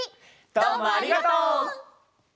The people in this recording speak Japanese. どうもありがとう！